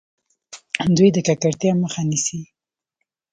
دوی د ککړتیا مخه نیسي.